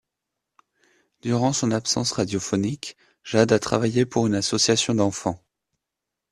Durant son absence radiophonique, Jade a travaillé pour une association d'enfants.